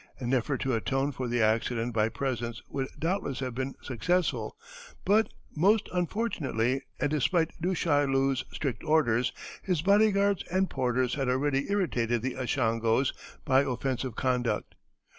An effort to atone for the accident by presents would doubtless have been successful, but, most unfortunately, and despite Du Chaillu's strict orders, his body guards and porters had already irritated the Ashangos by offensive conduct.